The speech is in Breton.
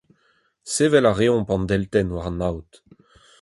Sevel a reomp an deltenn war an aod.